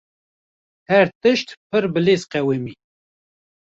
Her tişt pir bilez qewimî.